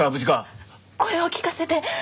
声を聞かせて！